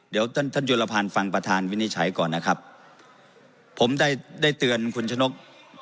เดี๋ยวท่านท่านยุรพันธ์ฟังประธานวินิจฉัยก่อนนะครับผมได้ได้เตือนคุณชะนก